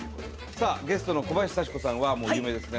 さあゲストの小林幸子さんはもう有名ですね。